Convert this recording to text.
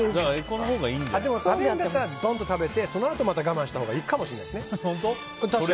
そういうのだったらドンと食べてそのあと我慢したほうがいいかもしれないですね。